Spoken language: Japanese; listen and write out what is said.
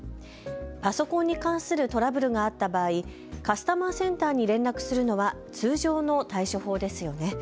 パソコンに関するトラブルがあった場合、カスタマーセンターに連絡するのは通常の対処法ですよね。